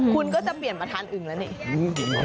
คุณก็จะเปลี่ยนประธานอึ่งแล้วนี่